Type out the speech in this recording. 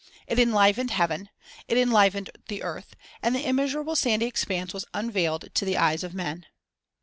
It enlivened heaven, it enlivened the earth, and the immeasurable sandy expanse was unveiled to the eyes of men.